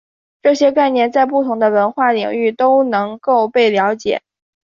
这些概念在不同的文化领域都能够被了解。